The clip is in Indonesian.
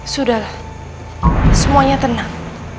sudahlah semuanya tenang